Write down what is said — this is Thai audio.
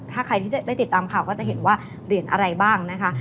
ถ้าใครที่ได้ติดตามข่าวก็จะเห็นว่าเหรียญอะไรบ้างนะคะ